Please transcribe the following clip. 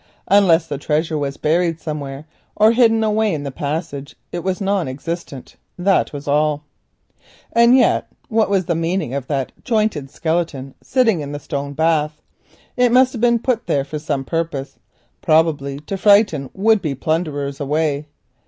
Unless the treasure was buried somewhere, or hidden away in the passage, it was non existent. And yet what was the meaning of that jointed skeleton sitting in the stone bath? It must have been put there for some purpose, probably to frighten would be plunderers away.